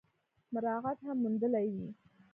مراعات هم موندلي وي ۔